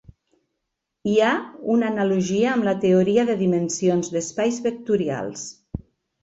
Hi ha una analogia amb la teoria de dimensions d'espais vectorials.